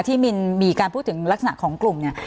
มินมีการพูดถึงลักษณะของกลุ่มเนี่ย